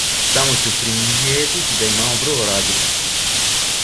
Само ћу примијетити да имамо врло различит укус.